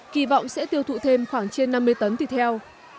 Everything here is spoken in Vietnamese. kỳ vọng sẽ tiêu thụ thêm khoảng trên năm mươi tấn thịt heo